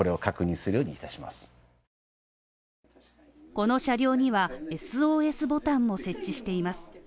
この車両にはＳＯＳボタンも設置しています。